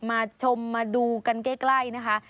มาชมมาดูกันใกล้นะคะ